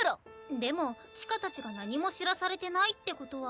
でも千歌たちが何も知らされてないってことは。